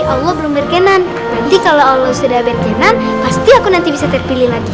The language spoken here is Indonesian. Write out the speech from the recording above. allah belum berkenan nanti kalau allah sudah berkenan pasti aku nanti bisa terpilih lagi